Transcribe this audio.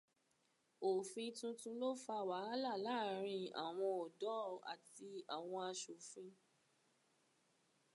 Òfin tuntun ló fa wàhálà láàárín àwọn ọ̀dọ́ àti àwọn aṣòfin.